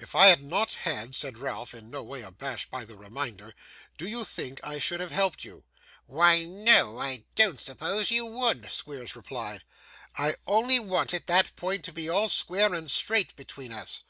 'If I had not had,' said Ralph, in no way abashed by the reminder, 'do you think I should have helped you?' 'Why no, I don't suppose you would,' Squeers replied. 'I only wanted that point to be all square and straight between us.